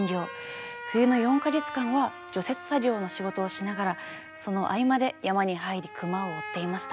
冬の４か月間は除雪作業の仕事をしながらその合間で山に入り熊を追っていました。